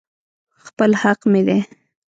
خپل حق مې دى.